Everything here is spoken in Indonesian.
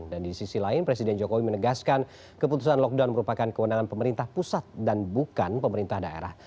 dan di sisi lain presiden jokowi menegaskan keputusan lockdown merupakan kewenangan pemerintah pusat dan bukan pemerintah daerah